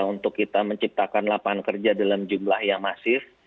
untuk kita menciptakan lapangan kerja dalam jumlah yang masif